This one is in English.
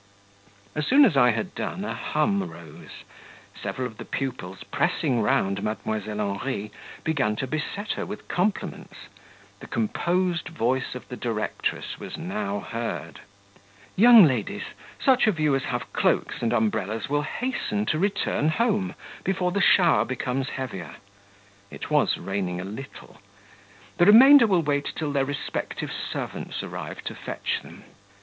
As soon as I had done, a hum rose; several of the pupils, pressing round Mdlle. Henri, began to beset her with compliments; the composed voice of the directress was now heard: "Young ladies, such of you as have cloaks and umbrellas will hasten to return home before the shower becomes heavier" (it was raining a little), "the remainder will wait till their respective servants arrive to fetch them."